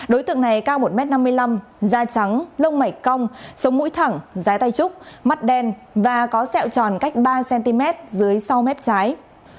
đối tượng này cao một m năm mươi năm da trắng lông mảy cong sống mũi thẳng rái tay trúc mắt đen và có sẹo tròn cách ba cm dưới sau mép trái